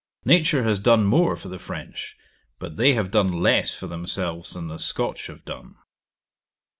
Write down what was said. Nature has done more for the French; but they have done less for themselves than the Scotch have done.'